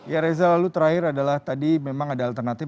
ya reza lalu terakhir adalah tadi memang ada alternatif